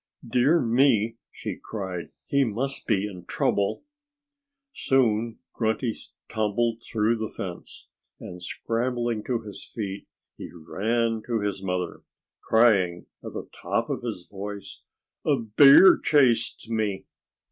"Dear me!" she cried. "He must be in trouble." Soon Grunty tumbled through the fence. And scrambling to his feet he ran to his mother, crying at the top of his voice, "A bear chased me!"